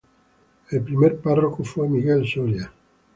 El primer párroco fue Miguel Soria.